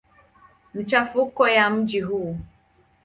Machafuko ya mji huu.